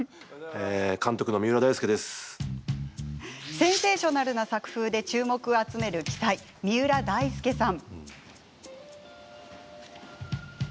センセーショナルな作風で注目を集める鬼才、三浦大輔さん。